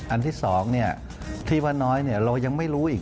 อันที่๒ที่ว่าน้อยเรายังไม่รู้อีก